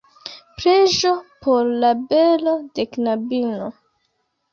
Preĝo por la belo de knabino.